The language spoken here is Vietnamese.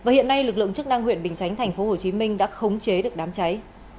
hiện nay lực lượng chức năng huyện bình chánh tp hcm đã khống chế được đám cháy